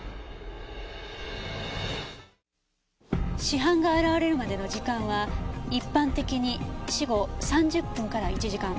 死斑が現れるまでの時間は一般的に死後３０分から１時間。